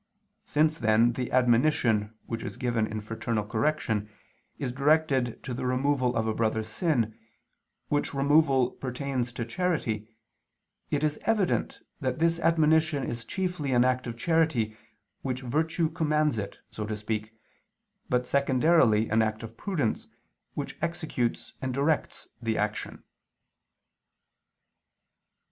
Since, then, the admonition which is given in fraternal correction is directed to the removal of a brother's sin, which removal pertains to charity, it is evident that this admonition is chiefly an act of charity, which virtue commands it, so to speak, but secondarily an act of prudence, which executes and directs the action.